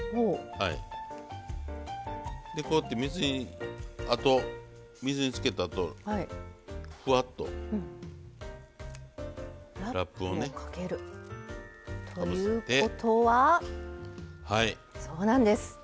こうやって水につけたあとふわっとラップをね。ということはそうなんです